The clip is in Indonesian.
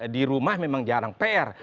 di rumah memang jarang pr